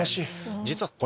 実はこの。